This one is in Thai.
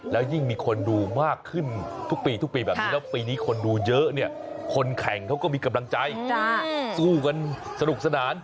แล้วยิ่งมีคนดูมากขึ้นทุกปีทุกปีแบบนี้แล้วปีนี้คนดูเยอะเนี่ยคนแข่งเขาก็มีกำลังใจสู้กันสนุกสนาน